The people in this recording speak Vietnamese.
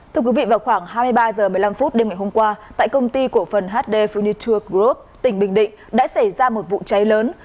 thưa quý vị vào khoảng hai mươi ba h một mươi năm đêm ngày hôm qua tại công ty cổ phần hd funiture group tỉnh bình định đã xảy ra một vụ cháy lớn